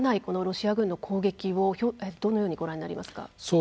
このロシア軍の攻撃をどのようにご覧になりますか？